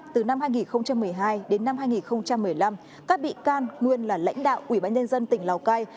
từ năm hai nghìn một mươi hai đến năm hai nghìn một mươi năm các bị can nguyên là lãnh đạo ủy ban nhân dân tỉnh lào cai